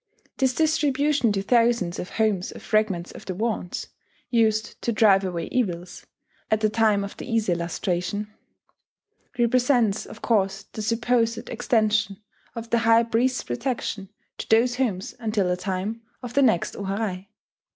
This distribution to thousands of homes of fragments of the wands, used to "drive away evils" at the time of the Ise lustration, represents of course the supposed extension of the high priest's protection to those homes until the time of the next o harai.